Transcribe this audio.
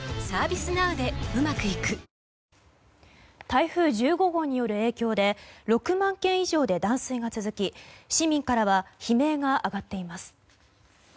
台風１５号による影響で６万軒以上で断水が続き、市民からは悲鳴が上がっています。